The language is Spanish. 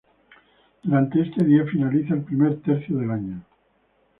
Durante este día finaliza el primer tercio del año.